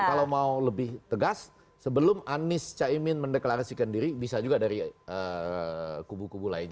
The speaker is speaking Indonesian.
kalau mau lebih tegas sebelum anies caimin mendeklarasikan diri bisa juga dari kubu kubu lainnya